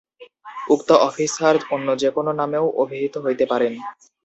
উক্ত অফিসার অন্য যেকোন নামেও অভিহিত হইতে পারেন।